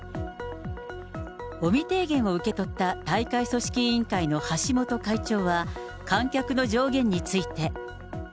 尾身提言を受け取った大会組織委員会の橋本会長は、観客の上限について。